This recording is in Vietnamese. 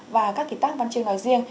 và các kỹ tác văn chương nói riêng